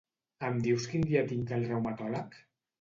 Em dius quin dia tinc el reumatòleg?